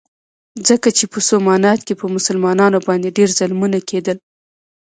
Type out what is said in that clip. ځکه چې په سومنات کې په مسلمانانو باندې ډېر ظلمونه کېدل.